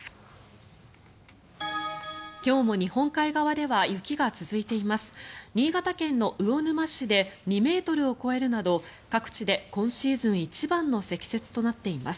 今日も日本海側では雪が続いています。